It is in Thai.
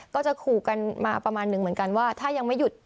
ก็จะขู่กันมาประมาณหนึ่งเหมือนกันว่าถ้ายังไม่หยุด